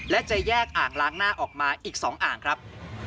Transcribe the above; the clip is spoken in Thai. และจะแยกอ่างล้างหน้าออกมาอีก๒อ่างครับ